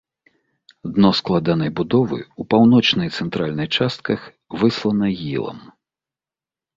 Дно складанай будовы, у паўночнай і цэнтральнай частках выслана ілам.